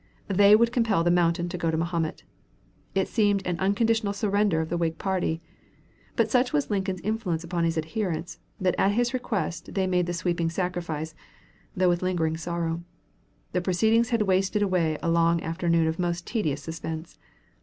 They would compel the mountain to go to Mahomet. It seemed an unconditional surrender of the Whig party. But such was Lincoln's influence upon his adherents that at his request they made the sweeping sacrifice, though with lingering sorrow. The proceedings had wasted away a long afternoon of most tedious suspense.